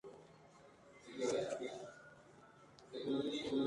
Es difícil que surjan procesos que produzcan deuterio mediante fusión nuclear.